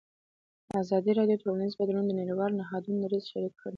ازادي راډیو د ټولنیز بدلون د نړیوالو نهادونو دریځ شریک کړی.